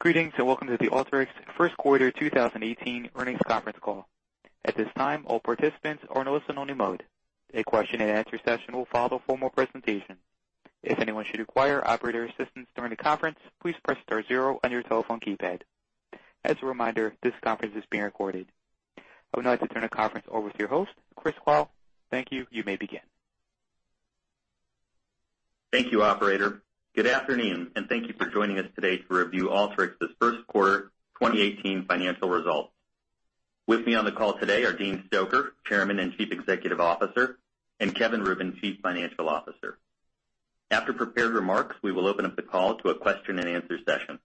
Greetings, welcome to the Alteryx first quarter 2018 earnings conference call. At this time, all participants are in listen-only mode. A question and answer session will follow formal presentation. If anyone should require operator assistance during the conference, please press star zero on your telephone keypad. As a reminder, this conference is being recorded. I would now like to turn the conference over to your host, Chris Lal. Thank you. You may begin. Thank you, operator. Good afternoon, thank you for joining us today to review Alteryx's first quarter 2018 financial results. With me on the call today are Dean Stoecker, Chairman and Chief Executive Officer, Kevin Rubin, Chief Financial Officer. After prepared remarks, we will open up the call to a question and answer session.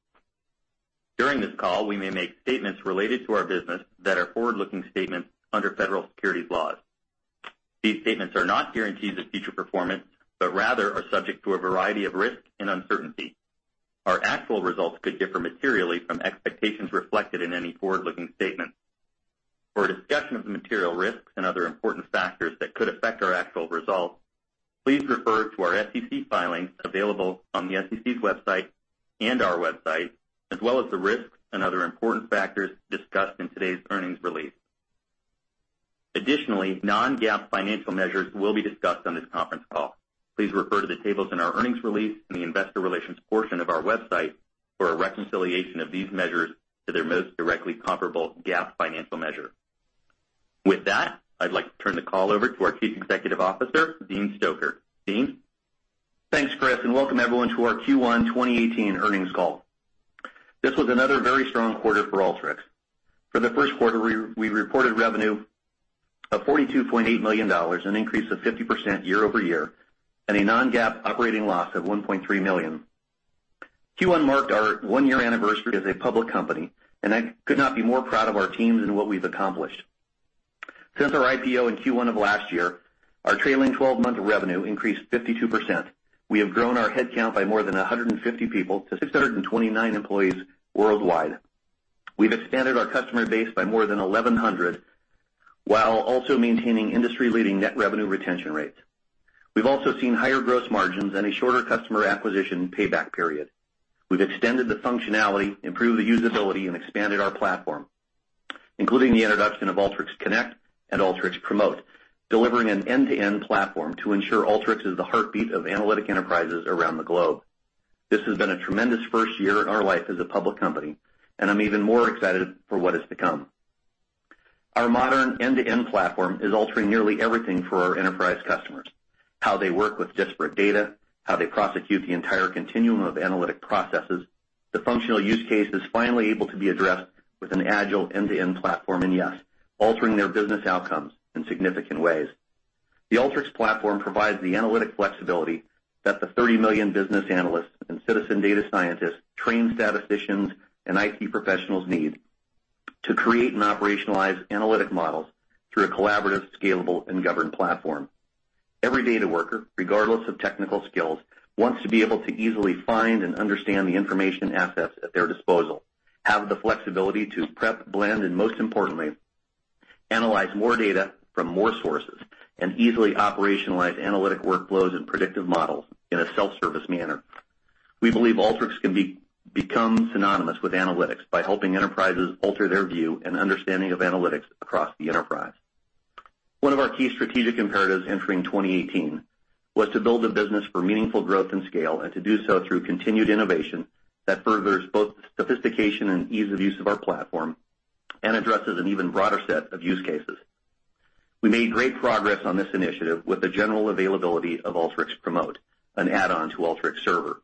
During this call, we may make statements related to our business that are forward-looking statements under federal securities laws. These statements are not guarantees of future performance, rather are subject to a variety of risks and uncertainty. Our actual results could differ materially from expectations reflected in any forward-looking statement. For a discussion of the material risks and other important factors that could affect our actual results, please refer to our SEC filings available on the SEC's website and our website, as well as the risks and other important factors discussed in today's earnings release. Additionally, non-GAAP financial measures will be discussed on this conference call. Please refer to the tables in our earnings release in the investor relations portion of our website for a reconciliation of these measures to their most directly comparable GAAP financial measure. With that, I'd like to turn the call over to our Chief Executive Officer, Dean Stoecker. Dean? Thanks, Chris, welcome everyone to our Q1 2018 earnings call. This was another very strong quarter for Alteryx. For the first quarter, we reported revenue of $42.8 million, an increase of 50% year-over-year, a non-GAAP operating loss of $1.3 million. Q1 marked our one-year anniversary as a public company, I could not be more proud of our teams and what we've accomplished. Since our IPO in Q1 of last year, our trailing 12-month revenue increased 52%. We have grown our headcount by more than 150 people to 629 employees worldwide. We've expanded our customer base by more than 1,100, while also maintaining industry-leading net revenue retention rates. We've also seen higher gross margins a shorter customer acquisition payback period. We've extended the functionality, improved the usability, and expanded our platform, including the introduction of Alteryx Connect and Alteryx Promote, delivering an end-to-end platform to ensure Alteryx is the heartbeat of analytic enterprises around the globe. This has been a tremendous first year in our life as a public company. I'm even more excited for what is to come. Our modern end-to-end platform is altering nearly everything for our enterprise customers, how they work with disparate data, how they prosecute the entire continuum of analytic processes. The functional use case is finally able to be addressed with an agile end-to-end platform. Yes, altering their business outcomes in significant ways. The Alteryx platform provides the analytic flexibility that the 30 million business analysts and citizen data scientists, trained statisticians, and IT professionals need to create and operationalize analytic models through a collaborative, scalable, and governed platform. Every data worker, regardless of technical skills, wants to be able to easily find and understand the information assets at their disposal, have the flexibility to prep, blend, and most importantly, analyze more data from more sources and easily operationalize analytic workflows and predictive models in a self-service manner. We believe Alteryx can become synonymous with analytics by helping enterprises alter their view and understanding of analytics across the enterprise. One of our key strategic imperatives entering 2018 was to build a business for meaningful growth and scale. To do so through continued innovation that furthers both the sophistication and ease of use of our platform. Addresses an even broader set of use cases. We made great progress on this initiative with the general availability of Alteryx Promote, an add-on to Alteryx Server.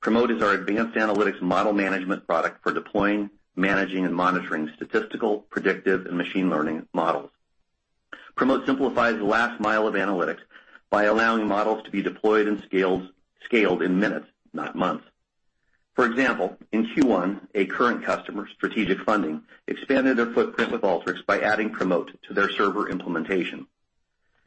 Promote is our advanced analytics model management product for deploying, managing, and monitoring statistical, predictive, and machine learning models. Promote simplifies the last mile of analytics by allowing models to be deployed and scaled in minutes, not months. For example, in Q1, a current customer, Strategic Funding, expanded their footprint with Alteryx by adding Promote to their server implementation.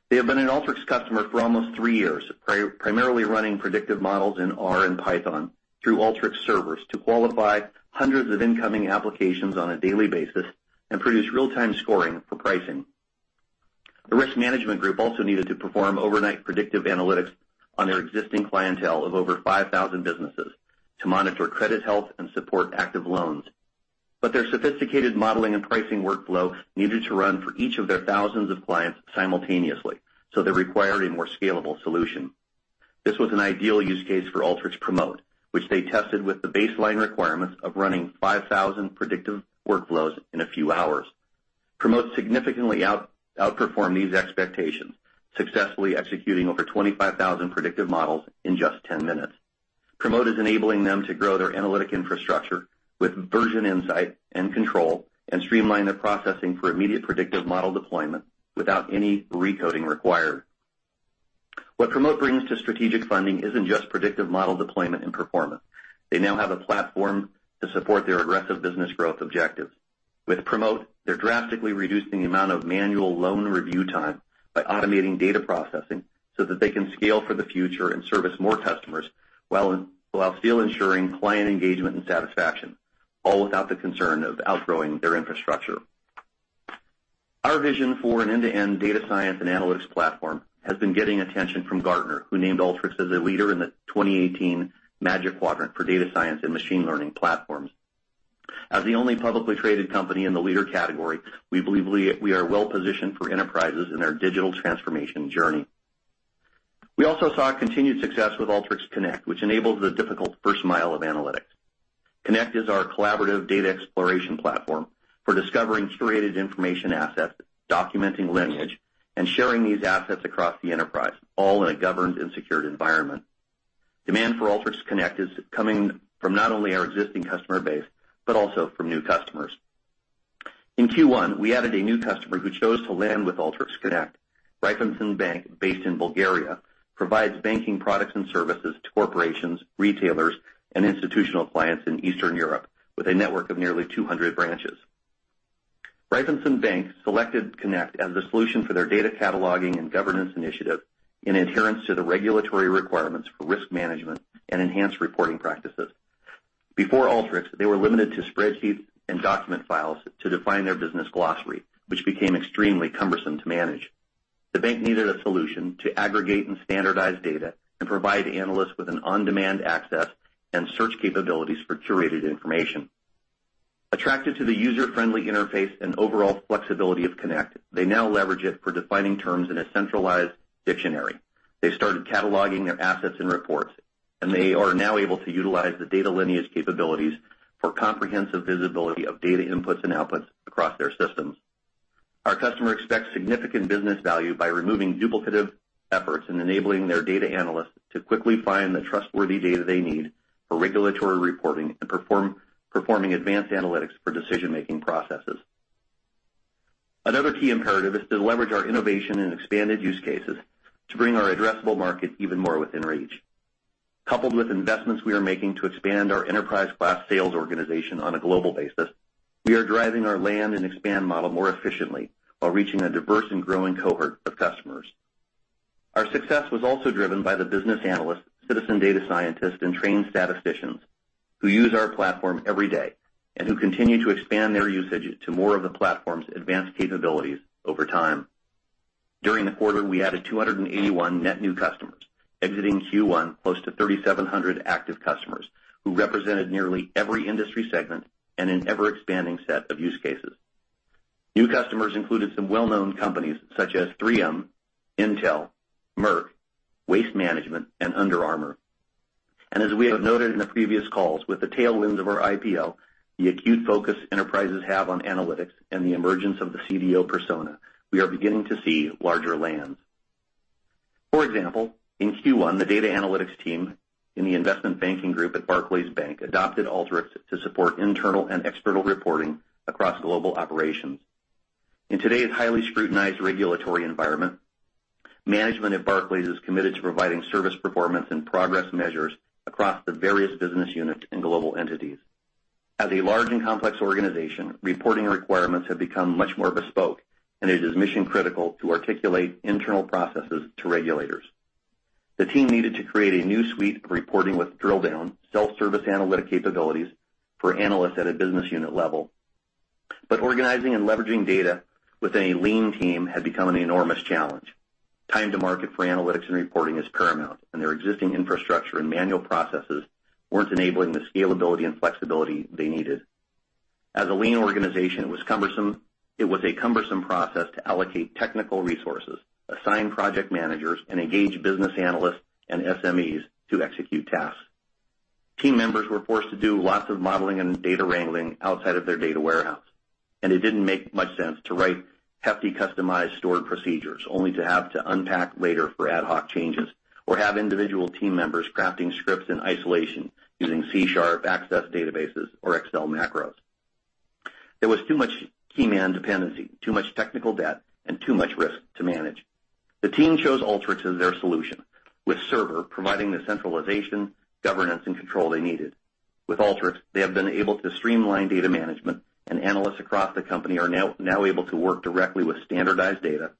They have been an Alteryx customer for almost 3 years, primarily running predictive models in R and Python through Alteryx Servers to qualify hundreds of incoming applications on a daily basis and produce real-time scoring for pricing. The risk management group also needed to perform overnight predictive analytics on their existing clientele of over 5,000 businesses to monitor credit health and support active loans. Their sophisticated modeling and pricing workflow needed to run for each of their thousands of clients simultaneously. They required a more scalable solution. This was an ideal use case for Alteryx Promote, which they tested with the baseline requirements of running 5,000 predictive workflows in a few hours. Promote significantly outperformed these expectations, successfully executing over 25,000 predictive models in just 10 minutes. Promote is enabling them to grow their analytic infrastructure with version insight and control and streamline their processing for immediate predictive model deployment without any recoding required. What Promote brings to Strategic Funding isn't just predictive model deployment and performance. They now have a platform to support their aggressive business growth objectives. With Promote, they're drastically reducing the amount of manual loan review time by automating data processing so that they can scale for the future and service more customers while still ensuring client engagement and satisfaction, all without the concern of outgrowing their infrastructure. Our vision for an end-to-end data science and analytics platform has been getting attention from Gartner, who named Alteryx as a leader in the 2018 Magic Quadrant for data science and machine learning platforms. As the only publicly traded company in the leader category, we believe we are well-positioned for enterprises in their digital transformation journey. We also saw continued success with Alteryx Connect, which enables the difficult first mile of analytics. Connect is our collaborative data exploration platform for discovering curated information assets, documenting lineage, and sharing these assets across the enterprise, all in a governed and secured environment. Demand for Alteryx Connect is coming from not only our existing customer base, but also from new customers. In Q1, we added a new customer who chose to land with Alteryx Connect. Raiffeisenbank, based in Bulgaria, provides banking products and services to corporations, retailers, and institutional clients in Eastern Europe, with a network of nearly 200 branches. Raiffeisenbank selected Connect as the solution for their data cataloging and governance initiative in adherence to the regulatory requirements for risk management and enhanced reporting practices. Before Alteryx, they were limited to spreadsheets and document files to define their business glossary, which became extremely cumbersome to manage. The bank needed a solution to aggregate and standardize data and provide analysts with an on-demand access and search capabilities for curated information. Attracted to the user-friendly interface and overall flexibility of Connect, they now leverage it for defining terms in a centralized dictionary. They started cataloging their assets and reports, and they are now able to utilize the data lineage capabilities for comprehensive visibility of data inputs and outputs across their systems. Our customer expects significant business value by removing duplicative efforts and enabling their data analysts to quickly find the trustworthy data they need for regulatory reporting and performing advanced analytics for decision-making processes. Another key imperative is to leverage our innovation in expanded use cases to bring our addressable market even more within reach. Coupled with investments we are making to expand our enterprise-class sales organization on a global basis, we are driving our land and expand model more efficiently while reaching a diverse and growing cohort of customers. Our success was also driven by the business analysts, citizen data scientists, and trained statisticians who use our platform every day and who continue to expand their usage to more of the platform's advanced capabilities over time. During the quarter, we added 281 net new customers, exiting Q1 close to 3,700 active customers, who represented nearly every industry segment and an ever-expanding set of use cases. New customers included some well-known companies such as 3M, Intel, Merck, Waste Management, and Under Armour. As we have noted in the previous calls, with the tailwinds of our IPO, the acute focus enterprises have on analytics, and the emergence of the CDO persona, we are beginning to see larger lands. For example, in Q1, the data analytics team in the investment banking group at Barclays Bank adopted Alteryx to support internal and external reporting across global operations. In today's highly scrutinized regulatory environment, management at Barclays is committed to providing service performance and progress measures across the various business units and global entities. As a large and complex organization, reporting requirements have become much more bespoke, and it is mission-critical to articulate internal processes to regulators. The team needed to create a new suite of reporting with drill-down, self-service analytic capabilities for analysts at a business unit level. Organizing and leveraging data within a lean team had become an enormous challenge. Time to market for analytics and reporting is paramount, and their existing infrastructure and manual processes weren't enabling the scalability and flexibility they needed. As a lean organization, it was a cumbersome process to allocate technical resources, assign project managers, and engage business analysts and SMEs to execute tasks. Team members were forced to do lots of modeling and data wrangling outside of their data warehouse, and it didn't make much sense to write hefty customized stored procedures, only to have to unpack later for ad hoc changes, or have individual team members crafting scripts in isolation using C#, Access databases, or Excel macros. There was too much key man dependency, too much technical debt, and too much risk to manage. The team chose Alteryx as their solution, with Server providing the centralization, governance, and control they needed. With Alteryx, they have been able to streamline data management, and analysts across the company are now able to work directly with standardized data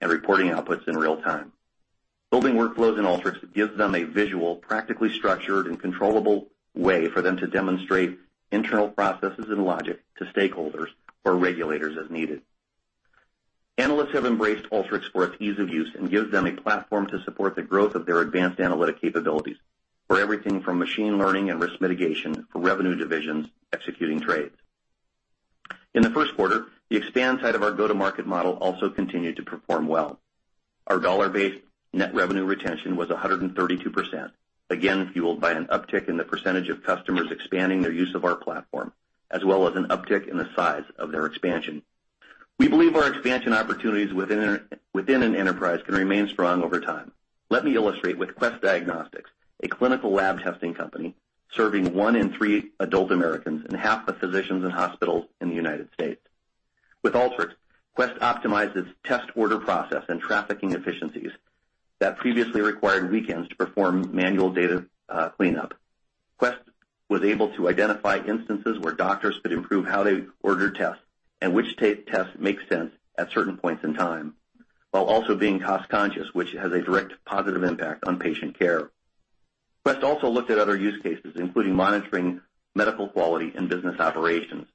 and reporting outputs in real time. Building workflows in Alteryx gives them a visual, practically structured, and controllable way for them to demonstrate internal processes and logic to stakeholders or regulators as needed. Analysts have embraced Alteryx for its ease of use and gives them a platform to support the growth of their advanced analytic capabilities for everything from machine learning and risk mitigation for revenue divisions executing trades. In the first quarter, the expand side of our go-to-market model also continued to perform well. Our dollar-based net revenue retention was 132%, again fueled by an uptick in the percentage of customers expanding their use of our platform, as well as an uptick in the size of their expansion. We believe our expansion opportunities within an enterprise can remain strong over time. Let me illustrate with Quest Diagnostics, a clinical lab testing company serving one in three adult Americans and half the physicians in hospitals in the U.S. With Alteryx, Quest optimized its test order process and trafficking efficiencies that previously required weekends to perform manual data cleanup. Quest was able to identify instances where doctors could improve how they order tests and which tests make sense at certain points in time, while also being cost-conscious, which has a direct positive impact on patient care. Quest also looked at other use cases, including monitoring medical quality and business operations.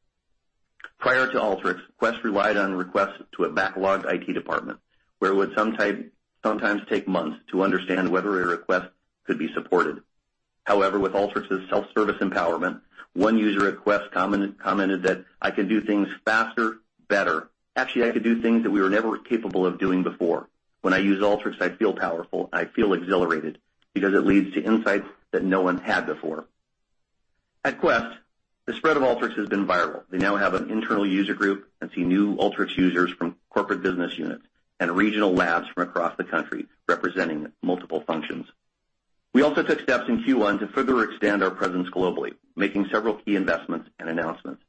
Prior to Alteryx, Quest relied on requests to a backlogged IT department, where it would sometimes take months to understand whether a request could be supported. However, with Alteryx's self-service empowerment, one user at Quest commented that, "I can do things faster, better. Actually, I could do things that we were never capable of doing before. When I use Alteryx, I feel powerful, I feel exhilarated because it leads to insights that no one had before." At Quest, the spread of Alteryx has been viral. They now have an internal user group and see new Alteryx users from corporate business units and regional labs from across the country representing multiple functions. We also took steps in Q1 to further extend our presence globally, making several key investments and announcements.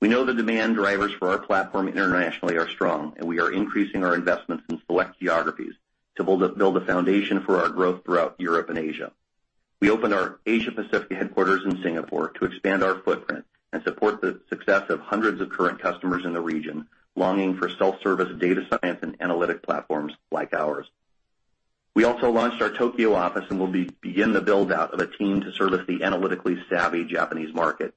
We know the demand drivers for our platform internationally are strong, and we are increasing our investments in select geographies to build a foundation for our growth throughout Europe and Asia. We opened our Asia Pacific headquarters in Singapore to expand our footprint and support the success of hundreds of current customers in the region longing for self-service data science and analytic platforms like ours. We also launched our Tokyo office and will begin the build-out of a team to service the analytically savvy Japanese market.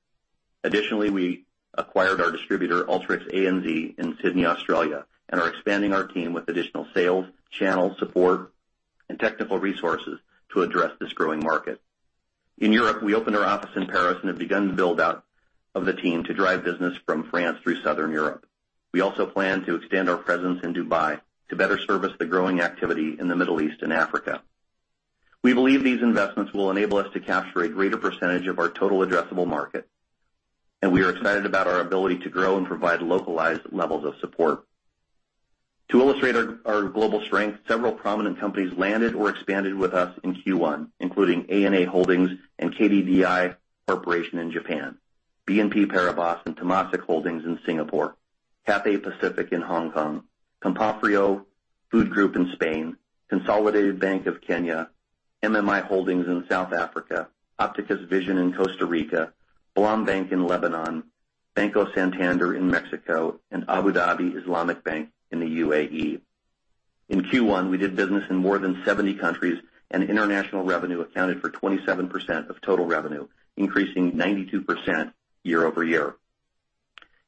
We acquired our distributor, Alteryx ANZ, in Sydney, Australia, and are expanding our team with additional sales, channel support, and technical resources to address this growing market. In Europe, we opened our office in Paris and have begun the build-out of the team to drive business from France through Southern Europe. We also plan to extend our presence in Dubai to better service the growing activity in the Middle East and Africa. We believe these investments will enable us to capture a greater percentage of our total addressable market, and we are excited about our ability to grow and provide localized levels of support. To illustrate our global strength, several prominent companies landed or expanded with us in Q1, including ANA Holdings and KDDI Corporation in Japan, BNP Paribas and Temasek Holdings in Singapore, Cathay Pacific in Hong Kong, Campofrío Food Group in Spain, Consolidated Bank of Kenya, MMI Holdings in South Africa, Ópticas Visión in Costa Rica, BLOM Bank in Lebanon, Banco Santander in Mexico, and Abu Dhabi Islamic Bank in the U.A.E. In Q1, we did business in more than 70 countries, and international revenue accounted for 27% of total revenue, increasing 92%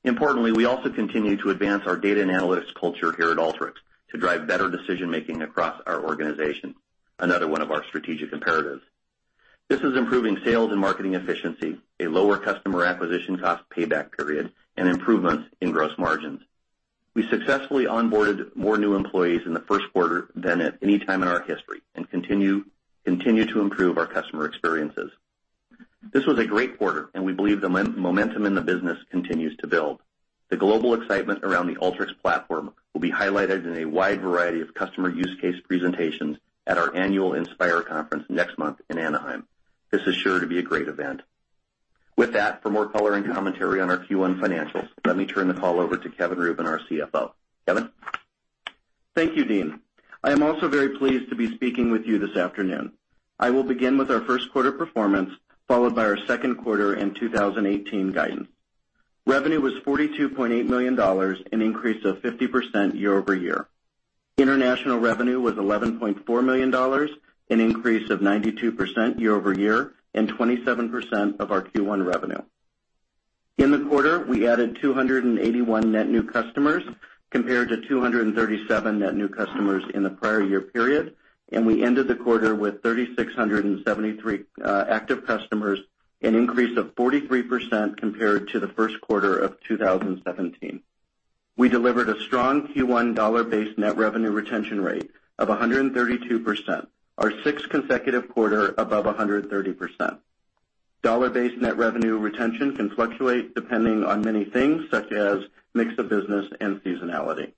year-over-year. We also continue to advance our data and analytics culture here at Alteryx to drive better decision-making across our organization, another one of our strategic imperatives. This is improving sales and marketing efficiency, a lower customer acquisition cost payback period, and improvements in gross margins. We successfully onboarded more new employees in the first quarter than at any time in our history and continue to improve our customer experiences. This was a great quarter, and we believe the momentum in the business continues to build. The global excitement around the Alteryx platform will be highlighted in a wide variety of customer use case presentations at our annual Inspire conference next month in Anaheim. This is sure to be a great event. With that, for more color and commentary on our Q1 financials, let me turn the call over to Kevin Rubin, our CFO. Kevin? Thank you, Dean. I am also very pleased to be speaking with you this afternoon. I will begin with our first quarter performance, followed by our second quarter and 2018 guidance. Revenue was $42.8 million, an increase of 50% year-over-year. International revenue was $11.4 million, an increase of 92% year-over-year and 27% of our Q1 revenue. In the quarter, we added 281 net new customers, compared to 237 net new customers in the prior year period, and we ended the quarter with 3,673 active customers, an increase of 43% compared to the first quarter of 2017. We delivered a strong Q1 dollar-based net revenue retention rate of 132%, our sixth consecutive quarter above 130%. Dollar-based net revenue retention can fluctuate depending on many things, such as mix of business and seasonality.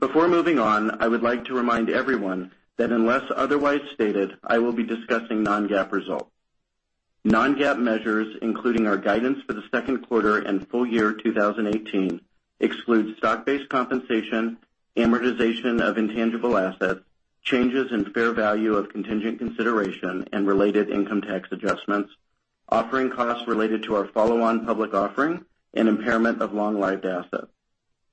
Before moving on, I would like to remind everyone that unless otherwise stated, I will be discussing non-GAAP results. Non-GAAP measures, including our guidance for the second quarter and full year 2018, exclude stock-based compensation, amortization of intangible assets, changes in fair value of contingent consideration and related income tax adjustments, offering costs related to our follow-on public offering, and impairment of long-lived assets.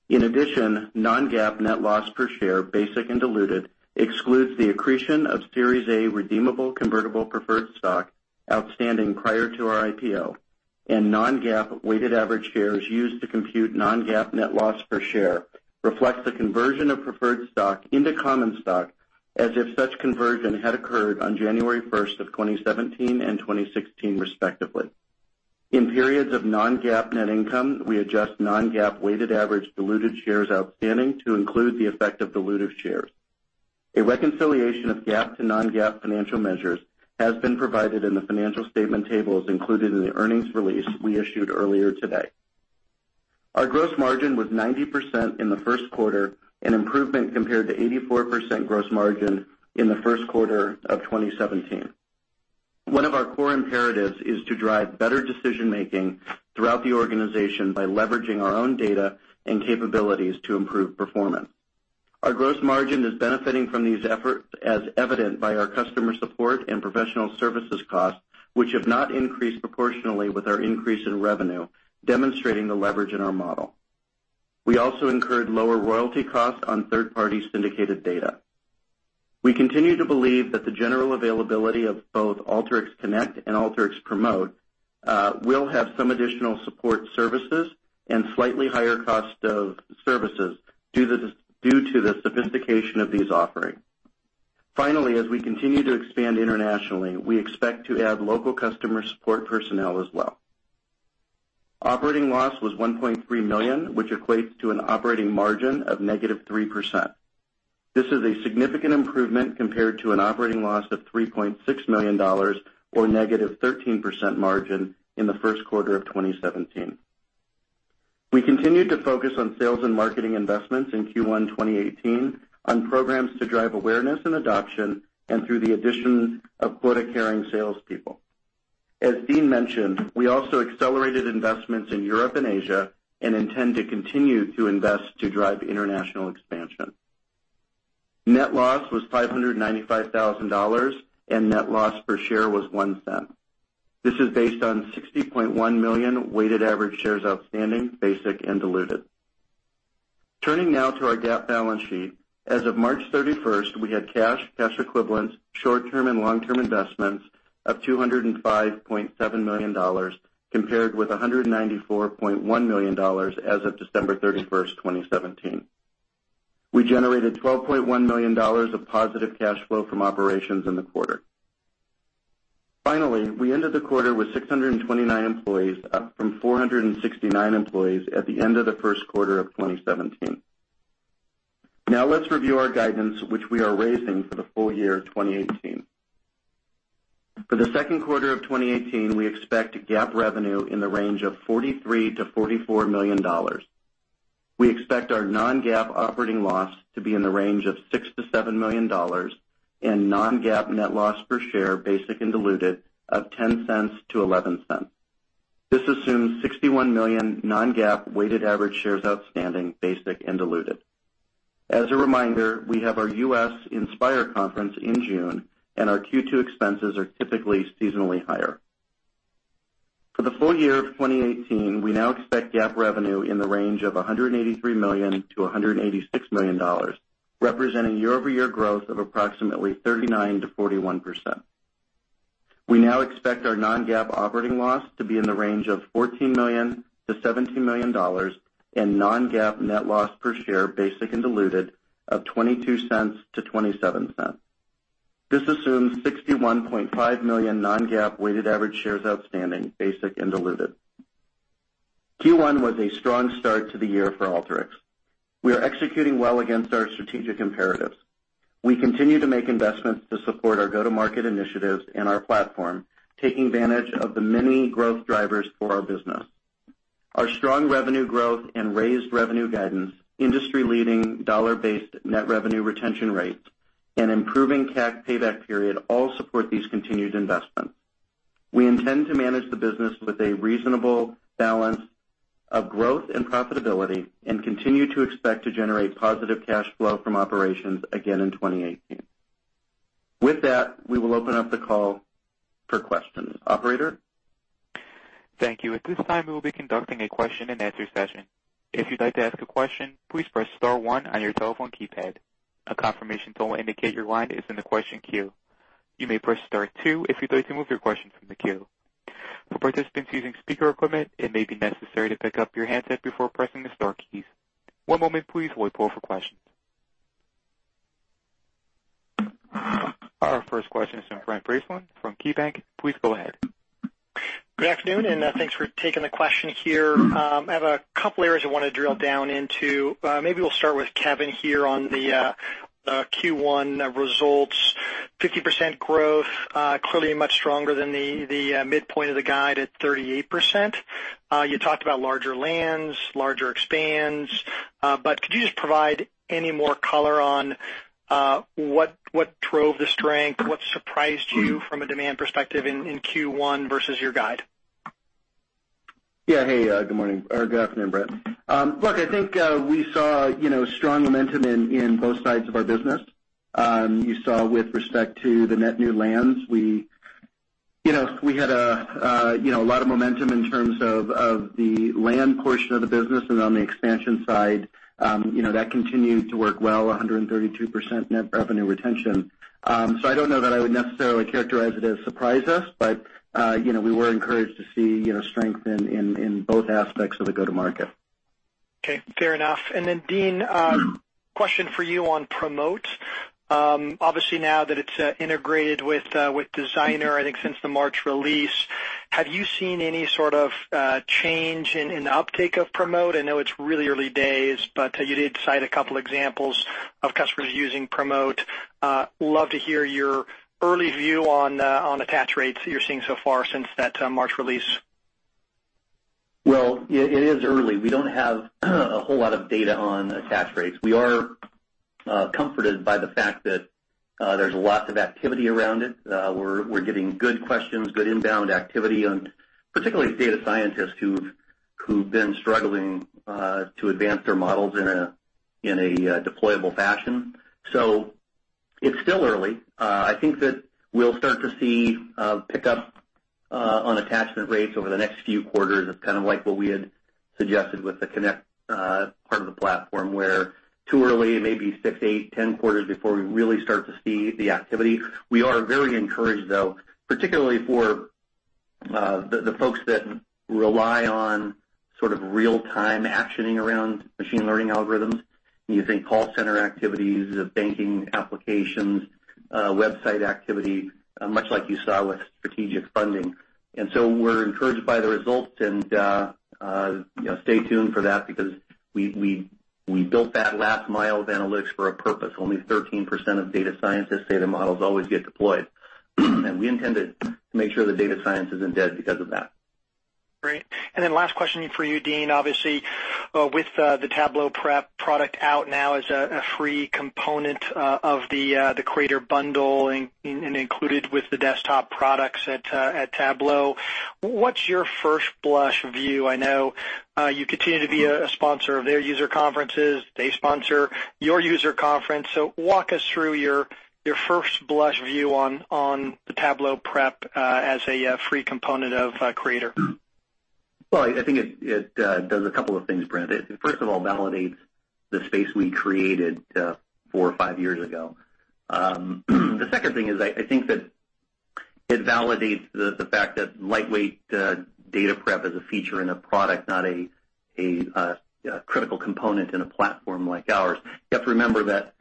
In addition, non-GAAP net loss per share, basic and diluted, excludes the accretion of Series A redeemable convertible preferred stock outstanding prior to our IPO, and non-GAAP weighted average shares used to compute non-GAAP net loss per share reflects the conversion of preferred stock into common stock as if such conversion had occurred on January 1st of 2017 and 2016, respectively. In periods of non-GAAP net income, we adjust non-GAAP weighted average diluted shares outstanding to include the effect of dilutive shares. A reconciliation of GAAP to non-GAAP financial measures has been provided in the financial statement tables included in the earnings release we issued earlier today. Our gross margin was 90% in the first quarter, an improvement compared to 84% gross margin in the first quarter of 2017. One of our core imperatives is to drive better decision-making throughout the organization by leveraging our own data and capabilities to improve performance. Our gross margin is benefiting from these efforts, as evident by our customer support and professional services costs, which have not increased proportionally with our increase in revenue, demonstrating the leverage in our model. We also incurred lower royalty costs on third-party syndicated data. We continue to believe that the general availability of both Alteryx Connect and Alteryx Promote will have some additional support services and slightly higher cost of services due to the sophistication of these offerings. Finally, as we continue to expand internationally, we expect to add local customer support personnel as well. Operating loss was $1.3 million, which equates to an operating margin of negative 3%. This is a significant improvement compared to an operating loss of $3.6 million, or negative 13% margin in the first quarter of 2017. We continued to focus on sales and marketing investments in Q1 2018 on programs to drive awareness and adoption and through the addition of quota-carrying salespeople. As Dean mentioned, we also accelerated investments in Europe and Asia and intend to continue to invest to drive international expansion. Net loss was $595,000, and net loss per share was $0.01. This is based on 60.1 million weighted average shares outstanding, basic and diluted. Turning now to our GAAP balance sheet. As of March 31st, we had cash equivalents, short-term and long-term investments of $205.7 million, compared with $194.1 million as of December 31, 2017. We generated $12.1 million of positive cash flow from operations in the quarter. Finally, we ended the quarter with 629 employees, up from 469 employees at the end of the first quarter of 2017. Let's review our guidance, which we are raising for the full year 2018. For the second quarter of 2018, we expect GAAP revenue in the range of $43 million-$44 million. We expect our non-GAAP operating loss to be in the range of $6 million-$7 million, and non-GAAP net loss per share, basic and diluted, of $0.10-$0.11. This assumes 61 million non-GAAP weighted average shares outstanding, basic and diluted. As a reminder, we have our U.S. Inspire conference in June. Our Q2 expenses are typically seasonally higher. For the full year of 2018, we now expect GAAP revenue in the range of $183 million-$186 million, representing year-over-year growth of approximately 39%-41%. We now expect our non-GAAP operating loss to be in the range of $14 million-$17 million, and non-GAAP net loss per share, basic and diluted, of $0.22-$0.27. This assumes 61.5 million non-GAAP weighted average shares outstanding, basic and diluted. Q1 was a strong start to the year for Alteryx. We are executing well against our strategic imperatives. We continue to make investments to support our go-to-market initiatives and our platform, taking advantage of the many growth drivers for our business. Our strong revenue growth and raised revenue guidance, industry-leading dollar-based net revenue retention rates, and improving CAC payback period all support these continued investments. We intend to manage the business with a reasonable balance of growth and profitability and continue to expect to generate positive cash flow from operations again in 2018. With that, we will open up the call for questions. Operator? Thank you. At this time, we will be conducting a question-and-answer session. If you'd like to ask a question, please press star one on your telephone keypad. A confirmation tone will indicate your line is in the question queue. You may press star two if you'd like to remove your question from the queue. For participants using speaker equipment, it may be necessary to pick up your handset before pressing the star keys. One moment please while we poll for questions. Our first question is from Brent Bracelin from KeyBanc. Please go ahead. Good afternoon, thanks for taking the question here. I have a couple areas I want to drill down into. Maybe we'll start with Kevin here on the Q1 results. 50% growth, clearly much stronger than the midpoint of the guide at 38%. You talked about larger lands, larger expands, could you just provide any more color on what drove the strength? What surprised you from a demand perspective in Q1 versus your guide? Yeah. Hey, good morning or good afternoon, Brent. I think we saw strong momentum in both sides of our business. You saw with respect to the net new lands, we had a lot of momentum in terms of the land portion of the business and on the expansion side. That continued to work well, 132% net revenue retention. I don't know that I would necessarily characterize it as surprise us, we were encouraged to see strength in both aspects of the go-to-market. Okay. Fair enough. Then Dean, question for you on Promote. Obviously, now that it's integrated with Designer, I think since the March release, have you seen any sort of change in the uptake of Promote? I know it's really early days, you did cite a couple examples of customers using Promote. Love to hear your early view on attach rates that you're seeing so far since that March release. It is early. We don't have a whole lot of data on attach rates. We are comforted by the fact that there's lots of activity around it. We're getting good questions, good inbound activity on particularly data scientists who've been struggling to advance their models in a deployable fashion. It's still early. I think that we'll start to see a pickup on attachment rates over the next few quarters. It's kind of like what we had suggested with the Alteryx Connect part of the platform, where too early, it may be six, eight, 10 quarters before we really start to see the activity. We are very encouraged, though, particularly for the folks that rely on real-time actioning around machine learning algorithms. When you think call center activities, banking applications, website activity, much like you saw with Strategic Funding. We're encouraged by the results and stay tuned for that because we built that last mile of analytics for a purpose. Only 13% of data scientists say their models always get deployed. We intended to make sure that data science isn't dead because of that. Great. Last question for you, Dean. Obviously, with the Tableau Prep out now as a free component of the Creator and included with the desktop products at Tableau, what's your first blush view? I know you continue to be a sponsor of their user conferences. They sponsor your user conference. Walk us through your first blush view on the Tableau Prep as a free component of Creator. Well, I think it does a couple of things, Brent. First of all, validates the space we created four or five years ago. The second thing is I think that it validates the fact that lightweight data prep is a feature and a product, not a critical component in a platform like ours. You have to remember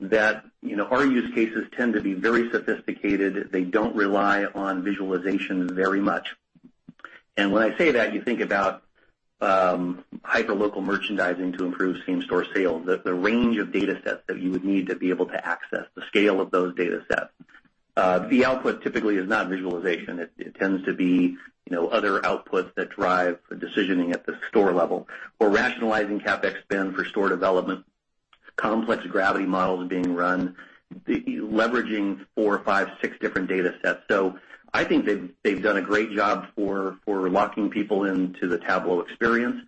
that our use cases tend to be very sophisticated. They don't rely on visualization very much. When I say that, you think about hyper local merchandising to improve same-store sales. The range of data sets that you would need to be able to access, the scale of those data sets. The output typically is not visualization. It tends to be other outputs that drive decisioning at the store level. Rationalizing CapEx spend for store development, complex gravity models being run, leveraging four, five, six different data sets. I think they've done a great job for locking people into the Tableau experience.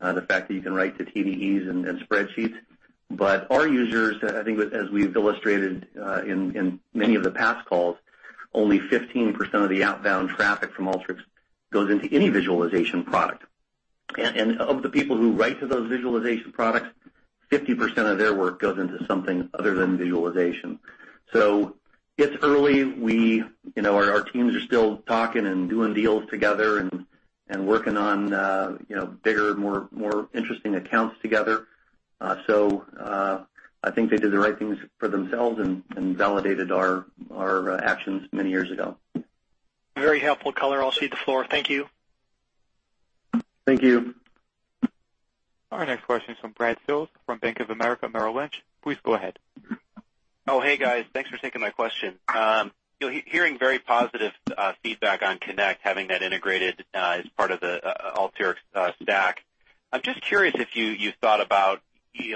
The fact that you can write to TDEs and spreadsheets. Our users, I think as we've illustrated in many of the past calls, only 15% of the outbound traffic from Alteryx goes into any visualization product. Of the people who write to those visualization products, 50% of their work goes into something other than visualization. It's early. Our teams are still talking and doing deals together and working on bigger, more interesting accounts together. I think they did the right things for themselves and validated our actions many years ago. Very helpful color. I'll cede the floor. Thank you. Thank you. Our next question is from Brad Sills from Bank of America Merrill Lynch. Please go ahead. Oh, hey, guys. Thanks for taking my question. Hearing very positive feedback on Connect, having that integrated as part of the Alteryx stack. I'm just curious if you thought about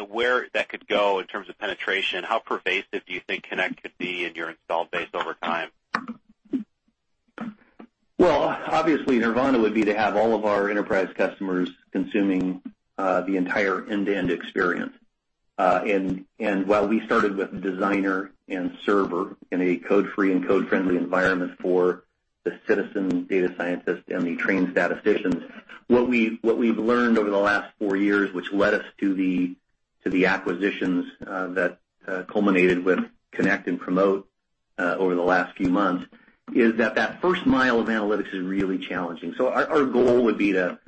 where that could go in terms of penetration. How pervasive do you think Connect could be in your install base over time? Well, obviously, nirvana would be to have all of our enterprise customers consuming the entire end-to-end experience. While we started with Designer and Server in a code-free and code-friendly environment for the citizen data scientist and the trained statisticians, what we've learned over the last four years, which led us to the acquisitions that culminated with Connect and Promote over the last few months, is that that first mile of analytics is really challenging. Our goal would be to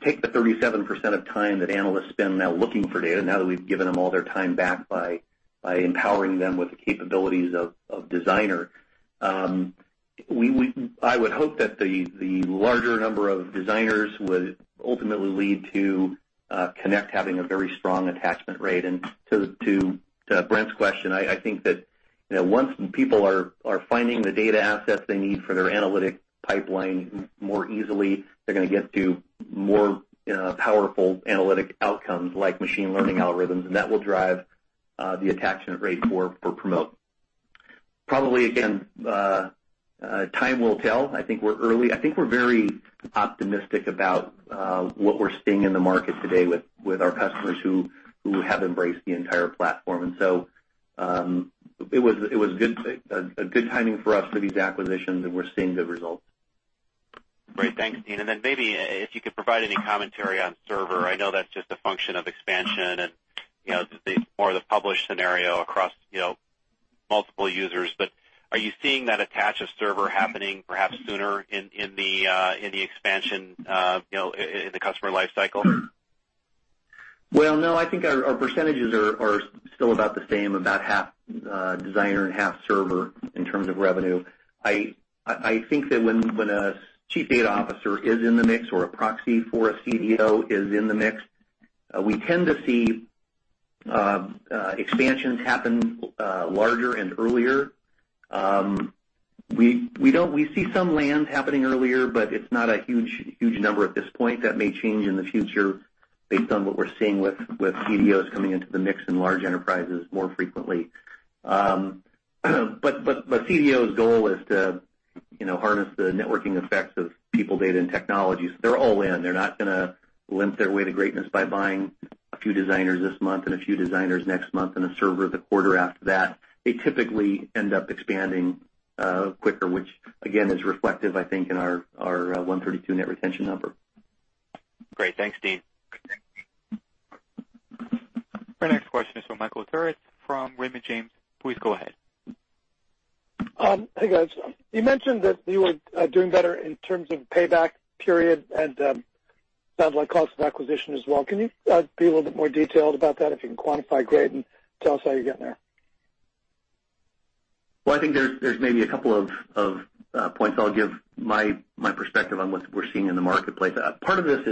take the 37% of time that analysts spend now looking for data, now that we've given them all their time back by empowering them with the capabilities of Designer. I would hope that the larger number of Designers would ultimately lead to Connect having a very strong attachment rate. To Brent's question, I think that once people are finding the data assets they need for their analytic pipeline more easily, they're going to get to more powerful analytic outcomes like machine learning algorithms, and that will drive the attachment rate for Promote. Probably, again, time will tell. I think we're early. I think we're very optimistic about what we're seeing in the market today with our customers who have embraced the entire platform. So it was a good timing for us for these acquisitions, and we're seeing good results. Great. Thanks, Dean. Then maybe if you could provide any commentary on Server. I know that's just a function of expansion and more the publish scenario across multiple users. Are you seeing that attach of Server happening perhaps sooner in the expansion in the customer life cycle? Well, no, I think our percentages are still about the same, about half Designer and half Server in terms of revenue. I think that when a Chief Data Officer is in the mix or a proxy for a CDO is in the mix, we tend to see expansions happen larger and earlier. We see some land happening earlier, but it's not a huge number at this point. That may change in the future based on what we're seeing with CDOs coming into the mix in large enterprises more frequently. CDO's goal is to harness the networking effects of people, data, and technologies. They're all in. They're not going to limp their way to greatness by buying a few Designers this month and a few Designers next month and a Server the quarter after that. They typically end up expanding quicker, which again is reflective, I think, in our 132 net retention number. Great. Thanks, Dean. Our next question is from Michael Turits from Raymond James. Please go ahead. Hey, guys. You mentioned that you were doing better in terms of payback period and sounds like cost of acquisition as well. Can you be a little bit more detailed about that? If you can quantify, great, and tell us how you're getting there. I think there's maybe a couple of points. I'll give my perspective on what we're seeing in the marketplace. Part of this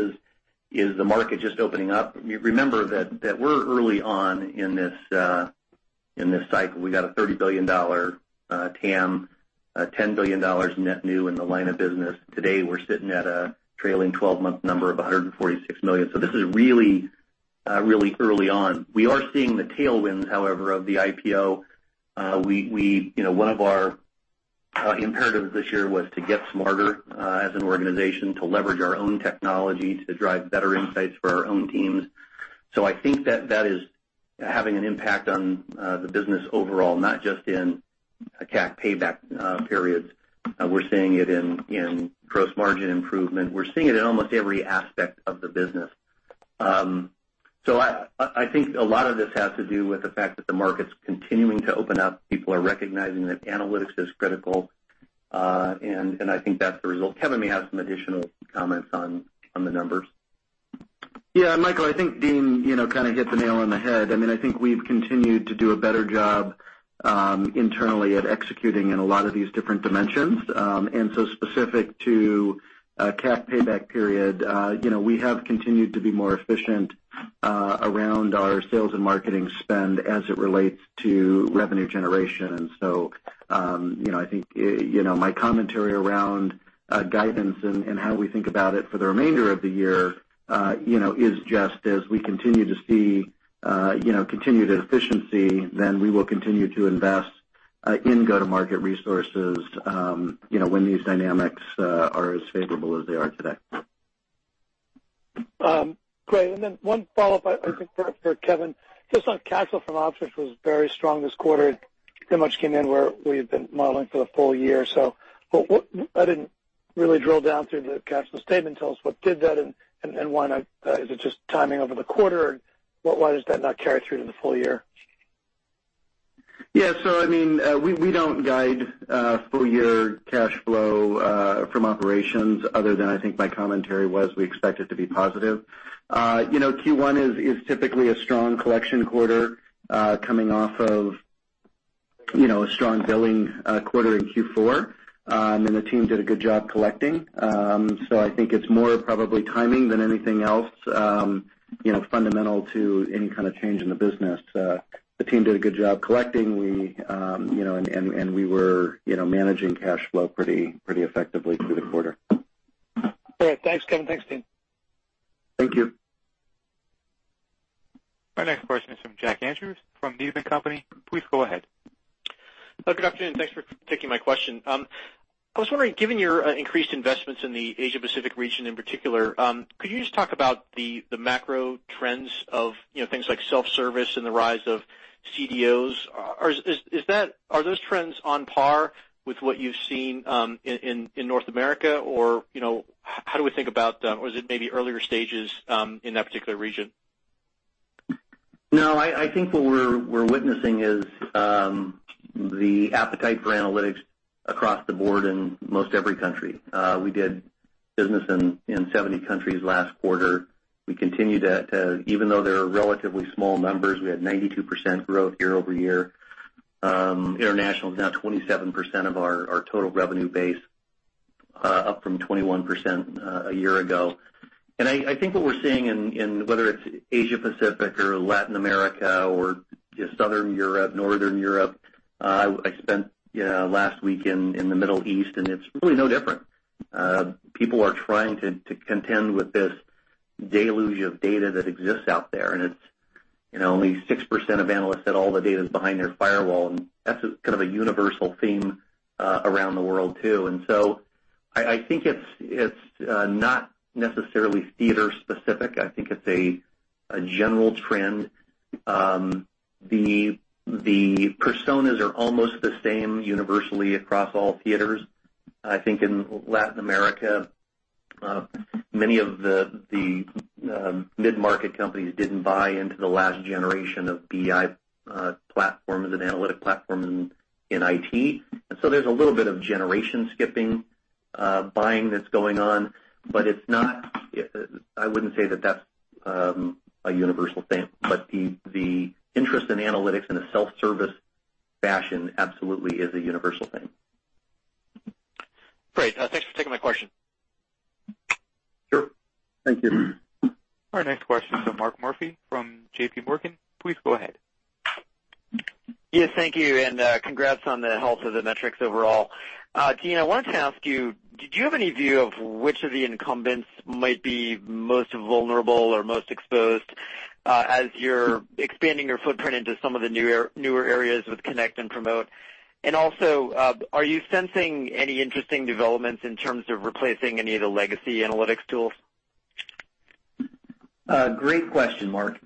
is the market just opening up. Remember that we're early on in this cycle. We got a $30 billion TAM, $10 billion net new in the line of business. Today, we're sitting at a trailing 12-month number of $146 million. This is really early on. We are seeing the tailwinds, however, of the IPO. One of our imperatives this year was to get smarter as an organization, to leverage our own technology to drive better insights for our own teams. I think that is having an impact on the business overall, not just in a CAC payback periods. We're seeing it in gross margin improvement. We're seeing it in almost every aspect of the business. I think a lot of this has to do with the fact that the market's continuing to open up. People are recognizing that analytics is critical, and I think that's the result. Kevin may have some additional comments on the numbers. Yeah, Michael, I think Dean hit the nail on the head. I think we've continued to do a better job internally at executing in a lot of these different dimensions. Specific to CAC payback period, we have continued to be more efficient around our sales and marketing spend as it relates to revenue generation. I think my commentary around guidance and how we think about it for the remainder of the year is just as we continue to see continued efficiency, we will continue to invest in go-to-market resources when these dynamics are as favorable as they are today. Great. One follow-up, I think, for Kevin. Just on cash flow from ops, which was very strong this quarter. Pretty much came in where we had been modeling for the full year. I didn't really drill down through the cash flow statement. Tell us what did that, and why not is it just timing over the quarter? Why does that not carry through to the full year? Yeah. We don't guide full-year cash flow from operations other than I think my commentary was, we expect it to be positive. Q1 is typically a strong collection quarter coming off of a strong billing quarter in Q4. The team did a good job collecting. I think it's more probably timing than anything else fundamental to any kind of change in the business. The team did a good job collecting, and we were managing cash flow pretty effectively through the quarter. All right. Thanks, Kevin. Thanks, Dean. Thank you. Our next question is from Jack Andrews from Needham & Company. Please go ahead. Good afternoon. Thanks for taking my question. I was wondering, given your increased investments in the Asia Pacific region in particular, could you just talk about the macro trends of things like self-service and the rise of CDOs? Are those trends on par with what you've seen in North America? How do we think about, or is it maybe earlier stages in that particular region? No, I think what we're witnessing is the appetite for analytics across the board in most every country. We did business in 70 countries last quarter. We continue to, even though they're relatively small numbers, we had 92% growth year-over-year. International is now 27% of our total revenue base, up from 21% a year ago. I think what we're seeing in whether it's Asia Pacific or Latin America or Southern Europe, Northern Europe. I spent last week in the Middle East, and it's really no different. People are trying to contend with this deluge of data that exists out there, and it's only 6% of analysts said all the data is behind their firewall, and that's a universal theme around the world, too. I think it's not necessarily theater-specific. I think it's a general trend. The personas are almost the same universally across all theaters. I think in Latin America, many of the mid-market companies didn't buy into the last generation of BI platform as an analytic platform in IT. There's a little bit of generation skipping buying that's going on, but I wouldn't say that that's a universal thing, but the interest in analytics in a self-service fashion absolutely is a universal thing. Great. Thanks for taking my question. Sure. Thank you. Our next question is from Mark Murphy from JP Morgan. Please go ahead. Yes, thank you, and congrats on the health of the metrics overall. Dean, I wanted to ask you, did you have any view of which of the incumbents might be most vulnerable or most exposed? As you're expanding your footprint into some of the newer areas with Connect and Promote. Are you sensing any interesting developments in terms of replacing any of the legacy analytics tools? Great question, Mark.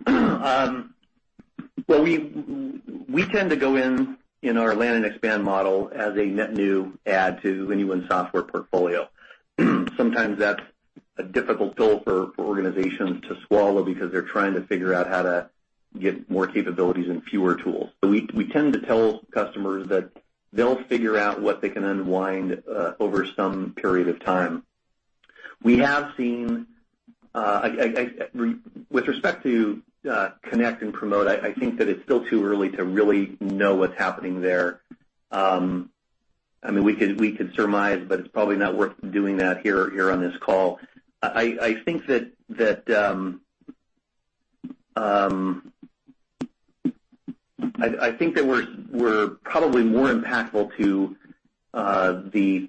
We tend to go in our land and expand model as a net new add to anyone's software portfolio. Sometimes that's a difficult pill for organizations to swallow because they're trying to figure out how to get more capabilities and fewer tools. We tend to tell customers that they'll figure out what they can unwind over some period of time. With respect to Connect and Promote, I think that it's still too early to really know what's happening there. We could surmise, but it's probably not worth doing that here on this call. I think that we're probably more impactful to the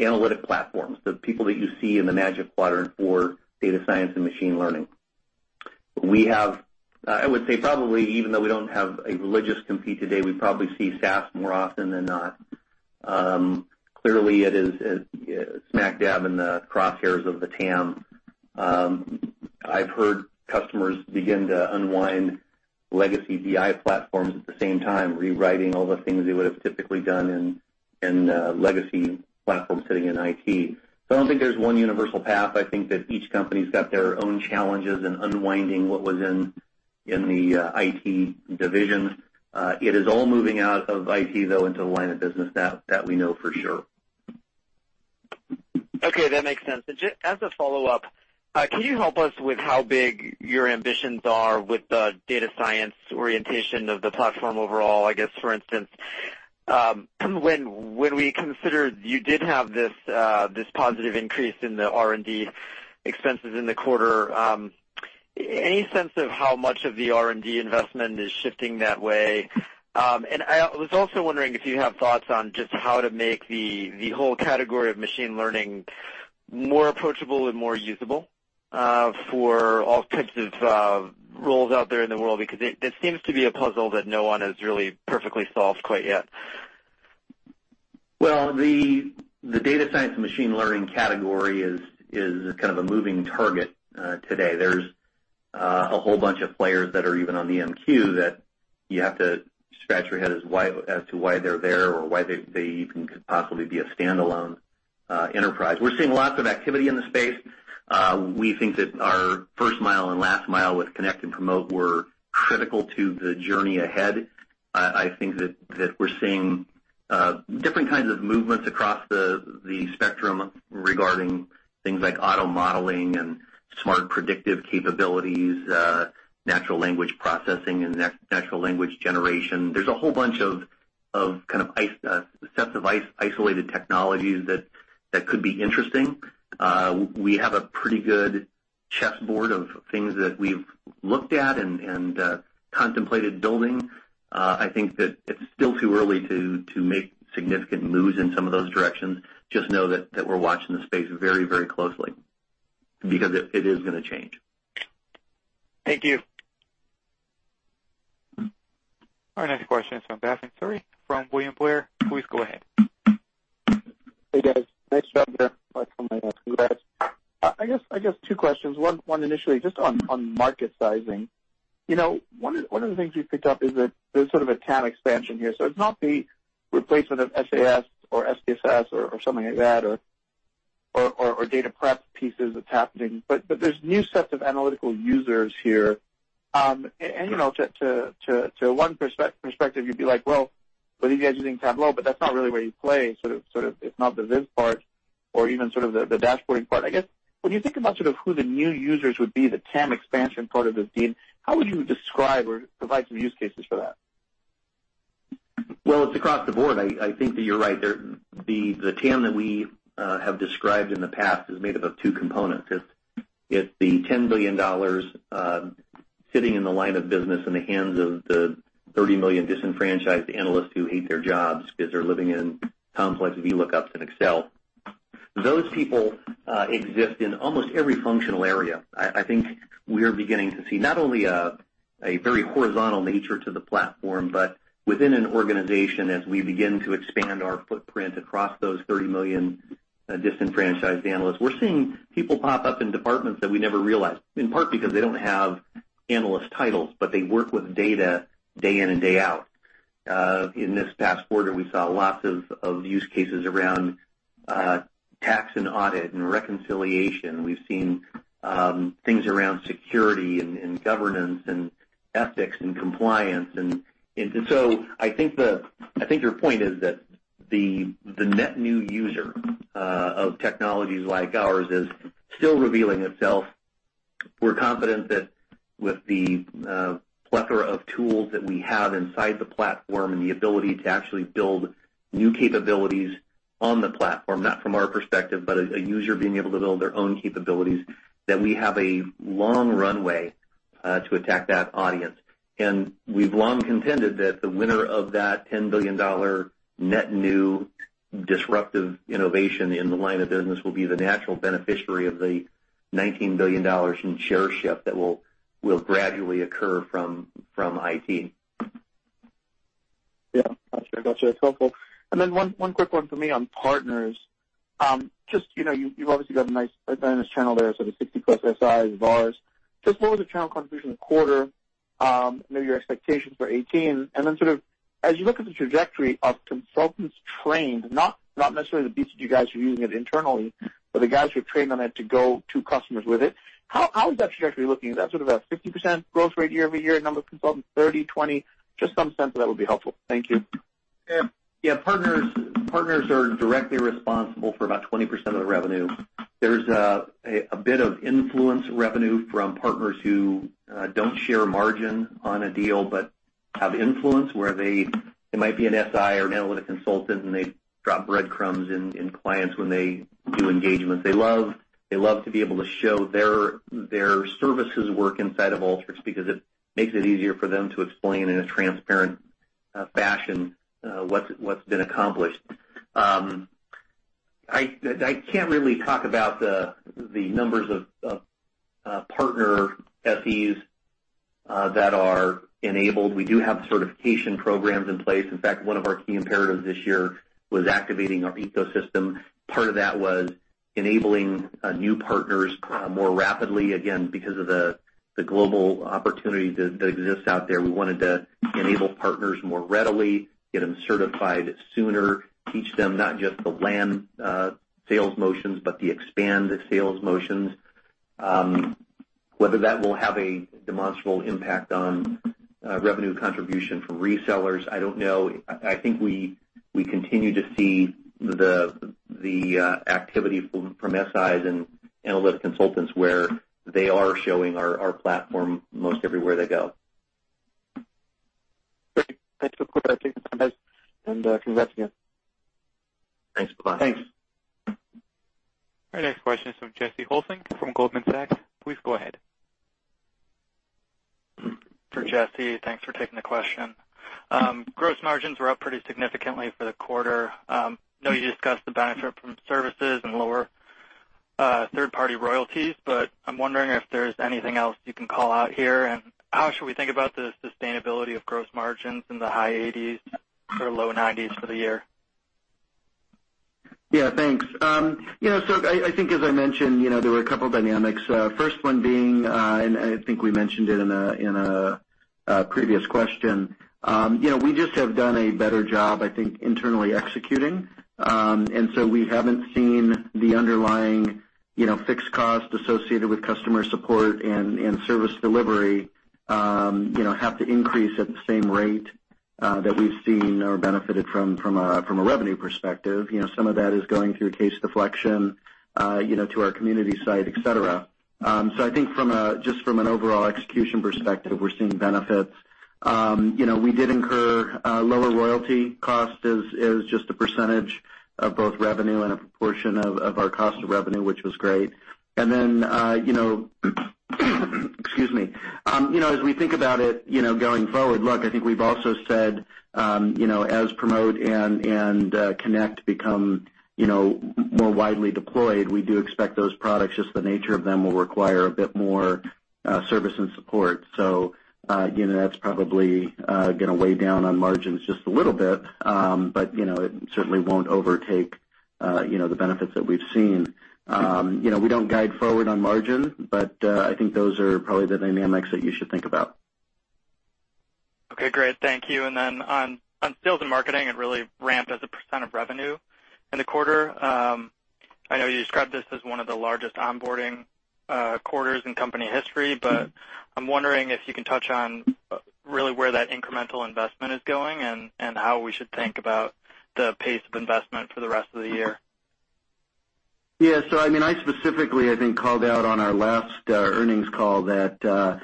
analytic platforms, the people that you see in the Magic Quadrant for data science and machine learning. I would say probably, even though we don't have a religious compete today, we probably see SAS more often than not. Clearly, it is smack dab in the crosshairs of the TAM. I've heard customers begin to unwind legacy BI platforms at the same time, rewriting all the things they would've typically done in a legacy platform sitting in IT. I don't think there's one universal path. I think that each company's got their own challenges in unwinding what was in the IT division. It is all moving out of IT, though, into the line of business. That, we know for sure. Okay, that makes sense. As a follow-up, can you help us with how big your ambitions are with the data science orientation of the platform overall? I guess, for instance, when we consider you did have this positive increase in the R&D expenses in the quarter, any sense of how much of the R&D investment is shifting that way? I was also wondering if you have thoughts on just how to make the whole category of machine learning more approachable and more usable for all kinds of roles out there in the world, because it seems to be a puzzle that no one has really perfectly solved quite yet. Well, the data science and machine learning category is kind of a moving target today. There's a whole bunch of players that are even on the MQ that you have to scratch your head as to why they're there or why they even could possibly be a standalone enterprise. We're seeing lots of activity in the space. We think that our first mile and last mile with Connect and Promote were critical to the journey ahead. I think that we're seeing different kinds of movements across the spectrum regarding things like auto modeling and smart predictive capabilities, natural language processing, and natural language generation. There's a whole bunch of sets of isolated technologies that could be interesting. We have a pretty good chessboard of things that we've looked at and contemplated building. I think that it's still too early to make significant moves in some of those directions. Just know that we're watching the space very closely because it is going to change. Thank you. Our next question is from Bhavan. Sorry. From William Blair. Please go ahead. Hey, guys. Nice job there. Congrats. I guess two questions. One initially just on market sizing. One of the things we've picked up is that there's sort of a TAM expansion here. It's not the replacement of SAS or SPSS or something like that, or data prep pieces that's happening. There's new sets of analytical users here. To one perspective, you'd be like, "Well, but you guys are using Tableau," but that's not really where you play, sort of, if not the viz part or even sort of the dashboarding part. I guess, when you think about who the new users would be, the TAM expansion part of this deal, how would you describe or provide some use cases for that? Well, it's across the board. I think that you're right. The TAM that we have described in the past is made up of two components. It's the $10 billion sitting in the line of business in the hands of the 30 million disenfranchised analysts who hate their jobs because they're living in complex VLOOKUPs in Excel. Those people exist in almost every functional area. I think we are beginning to see not only a very horizontal nature to the platform, but within an organization, as we begin to expand our footprint across those 30 million disenfranchised analysts. We're seeing people pop up in departments that we never realized, in part because they don't have analyst titles, but they work with data day in and day out. In this past quarter, we saw lots of use cases around tax and audit and reconciliation. We've seen things around security and governance and ethics and compliance. I think your point is that the net new user of technologies like ours is still revealing itself. We're confident that with the plethora of tools that we have inside the platform and the ability to actually build new capabilities on the platform, not from our perspective, but a user being able to build their own capabilities, that we have a long runway to attack that audience. We've long contended that the winner of that $10 billion net new disruptive innovation in the line of business will be the natural beneficiary of the $19 billion in share shift that will gradually occur from IT. Got you. That's helpful. One quick one for me on partners. You've obviously got a nice partner channel there, so the 60-plus SIs, VARs. Just what was the channel contribution in the quarter? Maybe your expectations for 2018. As you look at the trajectory of consultants trained, not necessarily the BCG guys who are using it internally, but the guys who are trained on it to go to customers with it. How is that trajectory looking? Is that sort of a 50% growth rate year-over-year in number of consultants, 30%, 20%? Just some sense of that would be helpful. Thank you. Partners are directly responsible for about 20% of the revenue. There's a bit of influence revenue from partners who don't share margin on a deal, but have influence where it might be an SI or an analytic consultant, and they drop breadcrumbs in clients when they do engagements. They love to be able to show their services work inside of Alteryx because it makes it easier for them to explain in a transparent fashion what's been accomplished. I can't really talk about the numbers of partner SEs that are enabled. We do have certification programs in place. In fact, one of our key imperatives this year was activating our ecosystem. Part of that was enabling new partners more rapidly. Because of the global opportunity that exists out there, we wanted to enable partners more readily, get them certified sooner, teach them not just the land sales motions, but the expanded sales motions. Whether that will have a demonstrable impact on revenue contribution from resellers, I don't know. I think we continue to see the activity from SIs and analytic consultants where they are showing our platform most everywhere they go. Great. Thanks for the color. I appreciate the time, guys, and congrats again. Thanks, Bhavan. Thanks. Our next question is from Jesse Hulsing from Goldman Sachs. Please go ahead. This is Jesse. Thanks for taking the question. Gross margins were up pretty significantly for the quarter. I know you discussed the benefit from services and lower third-party royalties, but I'm wondering if there's anything else you can call out here, and how should we think about the sustainability of gross margins in the high 80s or low 90s for the year? Yeah, thanks. I think as I mentioned, there were a couple of dynamics. First one being, I think we mentioned it in a previous question. We just have done a better job, I think, internally executing. We haven't seen the underlying fixed cost associated with customer support and service delivery have to increase at the same rate that we've seen or benefited from a revenue perspective. Some of that is going through case deflection to our community site, et cetera. I think just from an overall execution perspective, we're seeing benefits. We did incur lower royalty cost as just a % of both revenue and a proportion of our cost of revenue, which was great. Then, excuse me. As we think about it going forward, look, I think we've also said as Alteryx Promote and Alteryx Connect become more widely deployed, we do expect those products, just the nature of them will require a bit more service and support. That's probably going to weigh down on margins just a little bit, but it certainly won't overtake the benefits that we've seen. We don't guide forward on margin, but I think those are probably the dynamics that you should think about. Okay, great. Thank you. Then on sales and marketing, it really ramped as a % of revenue in the quarter. I know you described this as one of the largest onboarding quarters in company history, but I'm wondering if you can touch on really where that incremental investment is going and how we should think about the pace of investment for the rest of the year. Yeah. I specifically, I think, called out on our last earnings call that the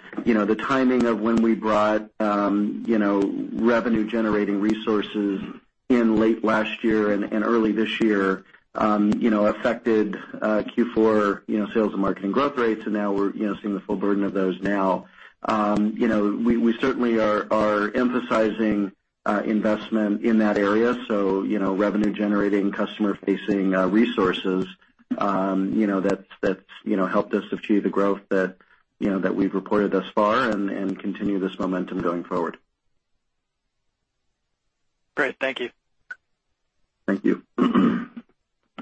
timing of when we brought revenue-generating resources in late last year and early this year affected Q4 sales and marketing growth rates. Now we're seeing the full burden of those now. We certainly are emphasizing investment in that area. Revenue-generating, customer-facing resources that's helped us achieve the growth that we've reported thus far and continue this momentum going forward. Great. Thank you. Thank you.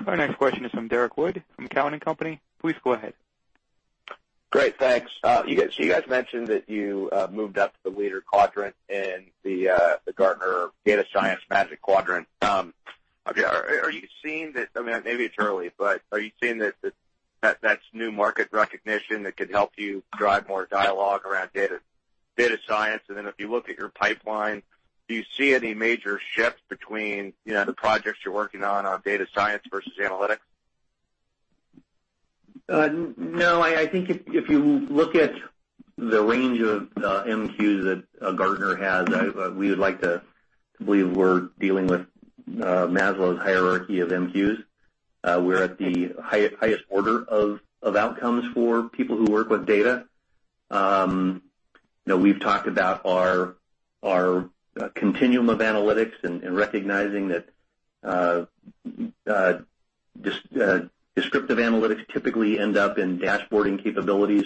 Our next question is from Derrick Wood from Cowen and Company. Please go ahead. Great. Thanks. You guys mentioned that you moved up the leader quadrant in the Gartner Data Science Magic Quadrant. Maybe it's early, but are you seeing that that's new market recognition that could help you drive more dialogue around data science? Then if you look at your pipeline, do you see any major shifts between the projects you're working on data science versus analytics? No. I think if you look at the range of MQs that Gartner has, we would like to believe we're dealing with Maslow's hierarchy of MQs. We're at the highest order of outcomes for people who work with data. We've talked about our continuum of analytics and recognizing that descriptive analytics typically end up in dashboarding capabilities.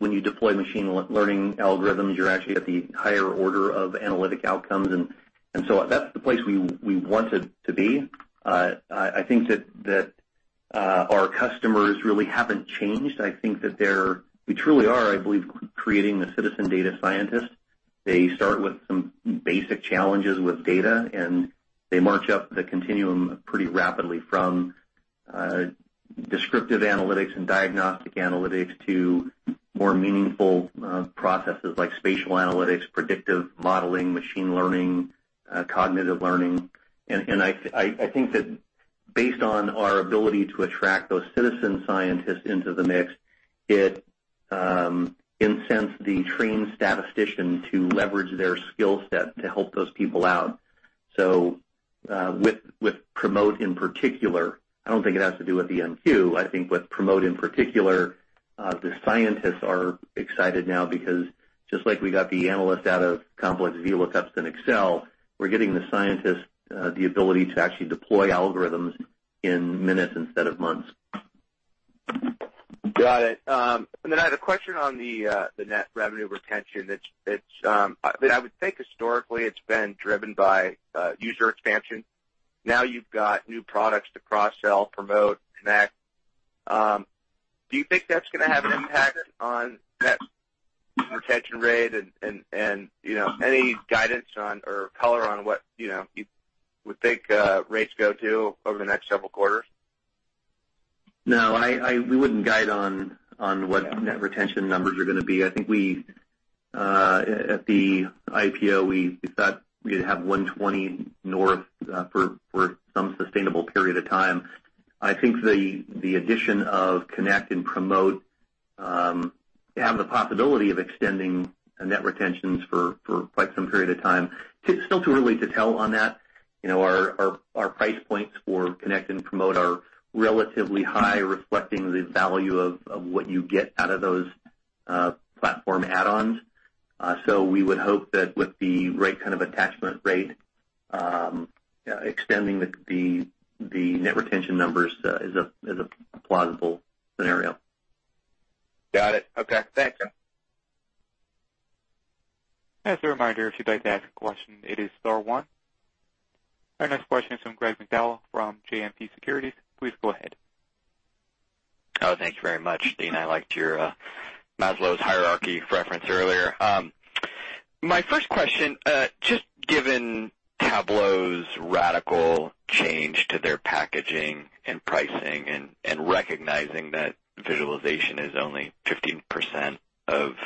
When you deploy machine learning algorithms, you're actually at the higher order of analytic outcomes. That's the place we wanted to be. I think that our customers really haven't changed. I think that we truly are, I believe, creating the citizen data scientist. They start with some basic challenges with data, and they march up the continuum pretty rapidly from descriptive analytics and diagnostic analytics to more meaningful processes like spatial analytics, predictive modeling, machine learning, cognitive learning. I think that based on our ability to attract those citizen scientists into the mix, it incents the trained statistician to leverage their skill set to help those people out. With Promote in particular, I don't think it has to do with MQ. I think with Promote in particular, the scientists are excited now because just like we got the analyst out of complex VLOOKUPs in Excel, we're getting the scientists the ability to actually deploy algorithms in minutes instead of months. Got it. I had a question on the net revenue retention, that I would think historically it's been driven by user expansion. Now you've got new products to cross-sell, Promote, Connect. Do you think that's going to have an impact on net retention rate and any guidance on or color on what you would think rates go to over the next several quarters? No, we wouldn't guide on what net retention numbers are going to be. I think at the IPO, we thought we'd have 120 north for some sustainable period of time. I think the addition of Connect and Promote have the possibility of extending net retentions for quite some period of time. It's still too early to tell on that. Our price points for Connect and Promote are relatively high, reflecting the value of what you get out of those platform add-ons. We would hope that with the right kind of attachment rate, extending the net retention numbers is a plausible scenario. Got it. Okay. Thanks. As a reminder, if you'd like to ask a question, it is star one. Our next question is from Greg McDowell from JMP Securities. Please go ahead. Oh, thank you very much, Dean. I liked your Maslow's hierarchy reference earlier. My first question, just given Tableau's radical change to their packaging and pricing and recognizing that visualization is only 15% of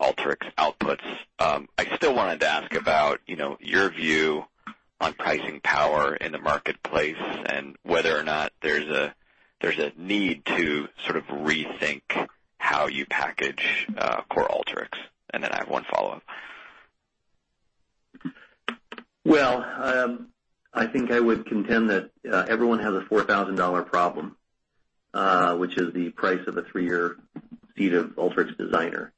Alteryx outputs, I still wanted to ask about your view on pricing power in the marketplace and whether or not there's a need to sort of rethink how you package core Alteryx. I have one follow-up. Well, I think I would contend that everyone has a $4,000 problem, which is the price of a three-year seat of Alteryx Designer.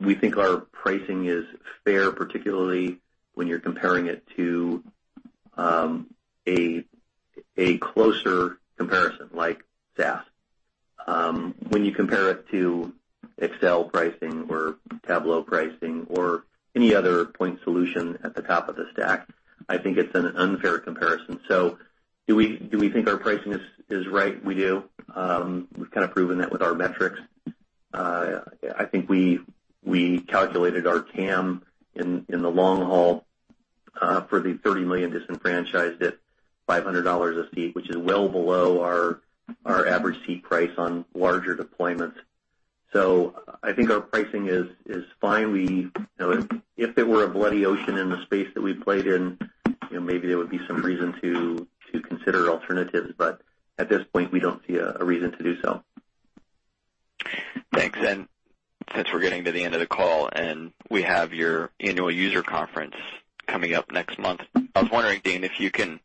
We think our pricing is fair, particularly when you're comparing it to a closer comparison like SaaS. When you compare it to Excel pricing or Tableau pricing or any other point solution at the top of the stack, I think it's an unfair comparison. Do we think our pricing is right? We do. We've kind of proven that with our metrics. I think we calculated our TAM in the long haul for the 30 million disenfranchised at $500 a seat, which is well below our average seat price on larger deployments. I think our pricing is fine. If it were a bloody ocean in the space that we played in, maybe there would be some reason to consider alternatives. At this point, we don't see a reason to do so. Thanks. Since we're getting to the end of the call, and we have your annual user conference coming up next month, I was wondering, Dean, if you can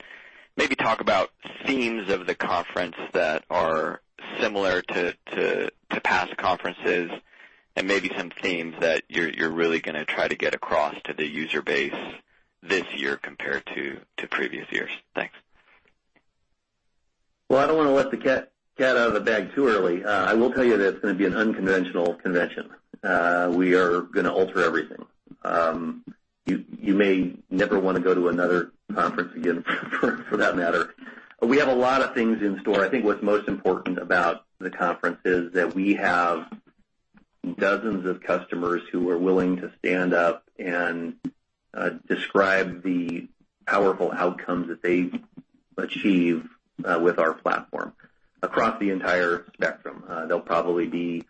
maybe talk about themes of the conference that are similar to past conferences and maybe some themes that you're really going to try to get across to the user base this year compared to previous years. Thanks. Well, I don't want to let the cat out of the bag too early. I will tell you that it's going to be an unconventional convention. We are going to alter everything. You may never want to go to another conference again, for that matter. We have a lot of things in store. I think what's most important about the conference is that we have dozens of customers who are willing to stand up and describe the powerful outcomes that they achieve with our platform across the entire spectrum. There'll probably be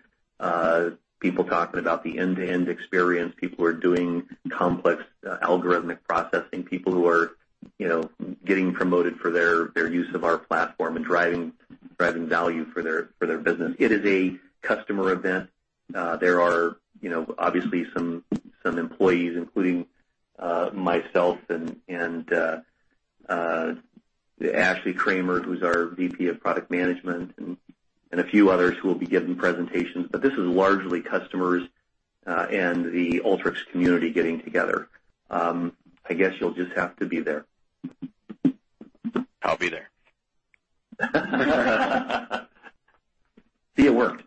people talking about the end-to-end experience, people who are doing complex algorithmic processing, people who are getting promoted for their use of our platform and driving value for their business. It is a customer event. There are obviously some employees, including myself and Ashley Kramer, who's our VP of Product Management, and a few others who will be giving presentations. This is largely customers and the Alteryx community getting together. I guess you'll just have to be there. I'll be there. See, it worked.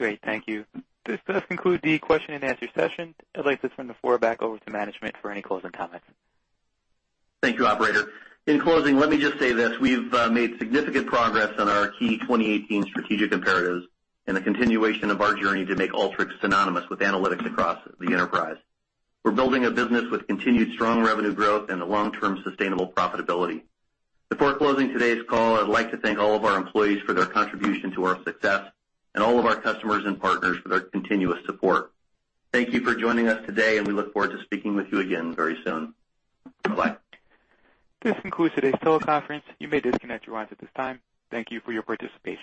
Great. Thank you. This does conclude the question and answer session. I'd like to turn the floor back over to management for any closing comments. Thank you, operator. In closing, let me just say this. We've made significant progress on our key 2018 strategic imperatives and the continuation of our journey to make Alteryx synonymous with analytics across the enterprise. We're building a business with continued strong revenue growth and a long-term sustainable profitability. Before closing today's call, I'd like to thank all of our employees for their contribution to our success and all of our customers and partners for their continuous support. Thank you for joining us today, and we look forward to speaking with you again very soon. Bye. This concludes today's teleconference. You may disconnect your lines at this time. Thank you for your participation.